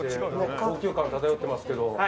高級感漂っていますけど。